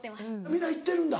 皆行ってるんだ？